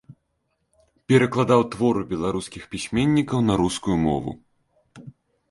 Перакладаў творы беларускіх пісьменнікаў на рускую мову.